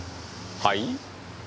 はい？